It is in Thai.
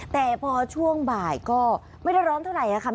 แต่พอช่วงบ่ายก็ไม่ได้ร้อนเท่าไหร่ค่ะ